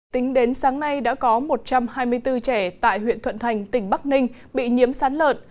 tính đến sáng nay đã có một trăm hai mươi bốn trẻ tại huyện thuận thành tỉnh bắc ninh bị nhiễm sán lợn